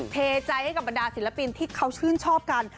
เทใจให้กับบรรดาศิลปินที่เขาชื่นชอบกัน